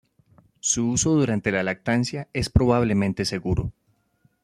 Su uso durante la lactancia es probablemente seguro.